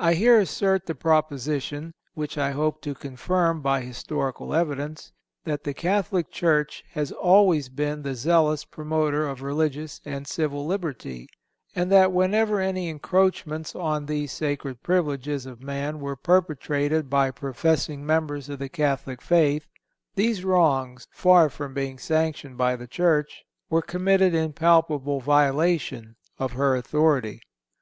I here assert the proposition, which I hope to confirm by historical evidence, that the Catholic Church has always been the zealous promoter of religious and civil liberty; and that whenever any encroachments on these sacred privileges of man were perpetrated by professing members of the Catholic faith, these wrongs, far from being sanctioned by the Church, were committed in palpable violation of her authority.